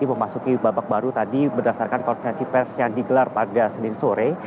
memasuki babak baru tadi berdasarkan konferensi pers yang digelar pada senin sore